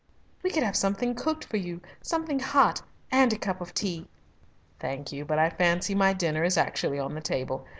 "We could have something cooked for you something hot and a cup of tea." "Thank you, but I fancy my dinner is actually on the table.